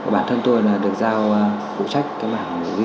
bản thân tôi là được giao phụ trách cái mảng duy tế